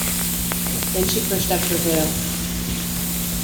Then she pushed up her veil.